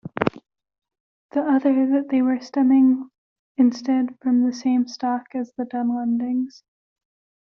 The other that they were stemming instead from the same stock as the Dunlendings.